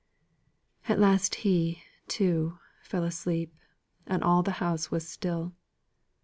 At last he, too, fell asleep, and all the house was still.